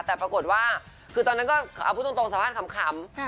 แต่ปรากฏว่าคือตอนนั้นก็เอาพูดตรงสัมภาษณ์ขำ